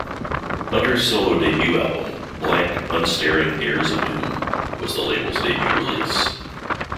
Hunter's solo debut album "Blank Unstaring Heirs of Doom" was the label's debut release.